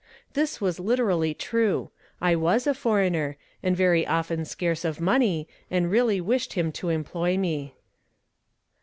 This was literally true. I was a foreigner, and very often scarce of money, and really wished him to employ me.